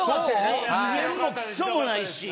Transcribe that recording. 威厳もクソもないし。